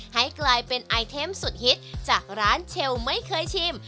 ให้กลายเป็นไอเทมสุดฮิตจากร้านเชลไม่เคยชิม